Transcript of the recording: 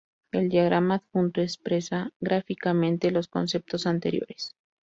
El diagrama adjunto expresa gráficamente los conceptos anteriores.